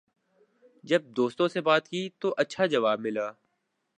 جب دوستوں سے بات کی تو اچھا جواب ملا